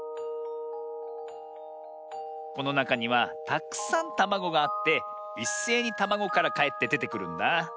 このなかにはたくさんたまごがあっていっせいにたまごからかえってでてくるんだ。